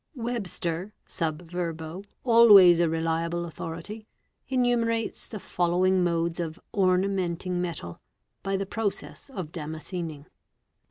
Webster, s. v., always a reliable authority, enumerates the following modes of "ornamenting metal" by the process of damascening.